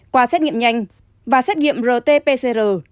qua xét nghiệm nhanh và xét nghiệm rt pcr